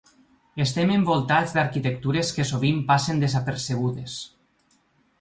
Estem envoltats d’arquitectures que sovint passen desapercebudes.